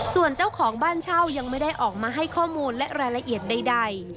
ส่วนเจ้าของบ้านเช่ายังไม่ได้ออกมาให้ข้อมูลและรายละเอียดใด